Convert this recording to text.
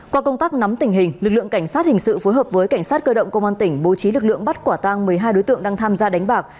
qua công tác nắm tình hình lực lượng cảnh sát hình sự phối hợp với cảnh sát cơ động công an tỉnh bố trí lực lượng bắt quả tang một mươi hai đối tượng đang tham gia đánh bạc